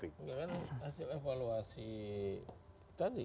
ya kan hasil evaluasi tadi